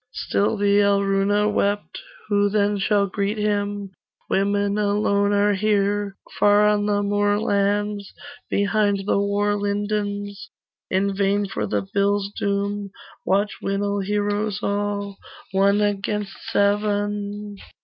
Still the Alruna wept 'Who then shall greet him? Women alone are here: Far on the moorlands Behind the war lindens, In vain for the bill's doom Watch Winil heroes all, One against seven.